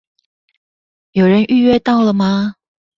有人預約到了嗎？